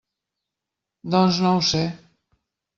Doncs no ho sé.